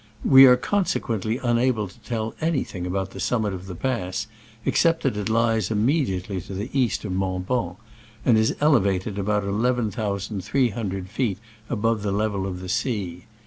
We are conse quently unable to tell anything about the summit of the pass, except that it lies immediately to the east of Mont Bans, and is elevated about eleven thousand three hundred feet above the level of the sea.